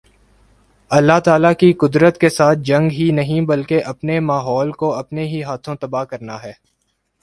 اللہ تعالی کی قدرت کے ساتھ جنگ ہی نہیں بلکہ اپنے ماحول کو اپنے ہی ہاتھوں تباہ کرنا ہے